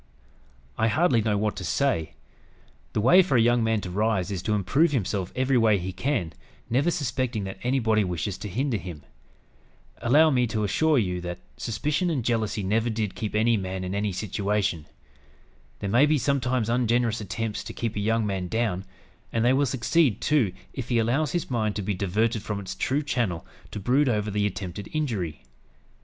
I hardly know what to say. The way for a young man to rise is to improve himself every way he can, never suspecting that anybody wishes to hinder him. Allow me to assure you that suspicion and jealousy never did keep any man in any situation. There may be sometimes ungenerous attempts to keep a young man down; and they will succeed, too, if he allows his mind to be diverted from its true channel to brood over the attempted injury.